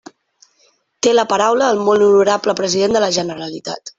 Té la paraula el molt honorable president de la Generalitat.